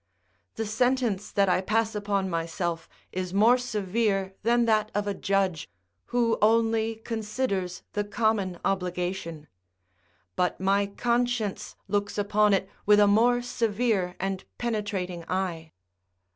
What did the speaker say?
The sentence that I pass upon myself is more severe than that of a judge, who only considers the common obligation; but my conscience looks upon it with a more severe and penetrating eye.